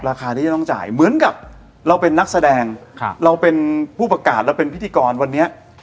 ราคาที่จะต้องจ่ายเหมือนกับเราเป็นนักแสดงเราเป็นผู้ประกาศเราเป็นพิธีกรวันนี้